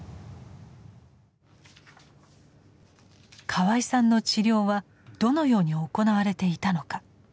河合さんの治療はどのように行われていたのか。